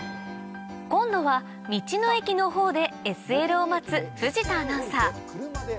今度は道の駅のほうでＳＬを待つ藤田アナウンサー